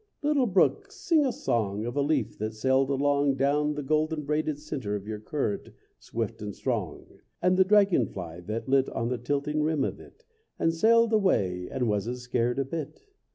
Little brook, sing a song Of a leaf that sailed along Down the golden braided center of your current swift and strong, And the dragon fly that lit On the tilting rim of it, And sailed away, and wasn't scared a bit!